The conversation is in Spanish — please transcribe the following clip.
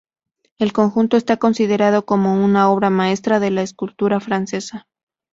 El conjunto está considerado como una obra maestra de la escultura francesa.